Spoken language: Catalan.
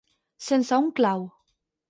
Sense un clau.